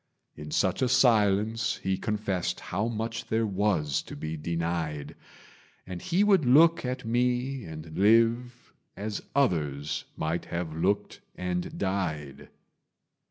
In such a silence he confessed How much there was to be denied; And he would look at me and live, As others might have looked and died.